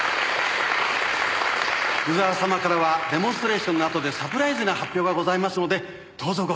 「湯沢様からはデモンストレーションのあとでサプライズな発表がございますのでどうぞご期待ください」